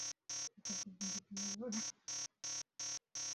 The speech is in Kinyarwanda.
Umukozi wubwubatsi acukura byose hejuru yurukuta rwa beto